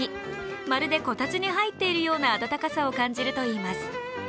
まるでこたつに入っているような温かさを感じるといいます。